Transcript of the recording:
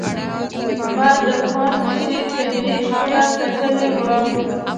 ما د ګوانګ شي طبيعي ښکلاوې کتلې وې.